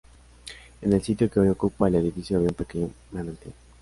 En el sitio que hoy ocupa el edificio había un pequeño manantial.